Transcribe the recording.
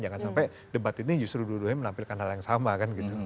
jangan sampai debat ini justru dua duanya menampilkan hal yang sama kan gitu